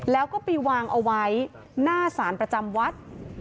แล้วก็ไปวางเอาไว้หน้าสารประจำวัด